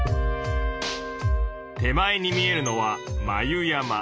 手前に見えるのは眉山。